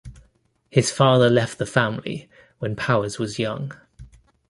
His father left the family when Powers was young.